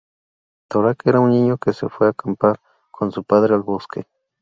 Torak era un niño que se fue a acampar con su padre al bosque.